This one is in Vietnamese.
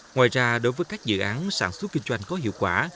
ngoài ra đối với các dự án sản xuất kinh doanh có hiệu quả